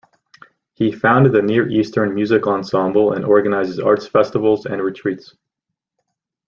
He founded the Near Eastern Music Ensemble and organizes arts festivals and retreats.